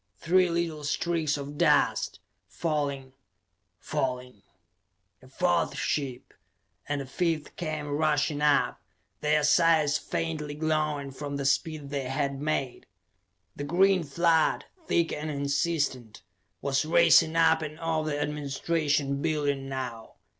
Three little streaks of dust, falling, falling.... A fourth ship, and a fifth came rushing up, their sides faintly glowing from the speed they had made. The green flood, thick and insistent, was racing up and over the administration building now.